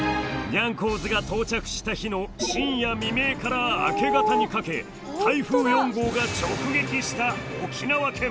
ニャンコーズが到着した日の深夜未明から明け方にかけ台風４号が直撃した沖縄県！